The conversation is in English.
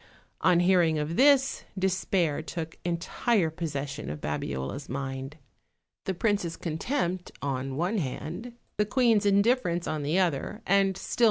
On hearing of this, despair took entire possession of Babiola's mind. The prince's contempt on rme hand, the queen's indifference on another, ana still, OLD, OLD FAIRY TALES.